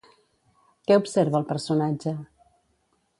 Què observava el personatge?